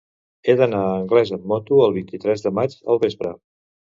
He d'anar a Anglès amb moto el vint-i-tres de maig al vespre.